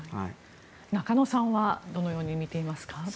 中野さんはどのように見ていますか？